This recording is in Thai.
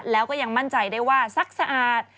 แล้วก็ยังมั่นใจได้ว่าซักสะอาด